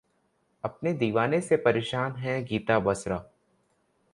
अपने दीवाने से परेशान हैं गीता बसरा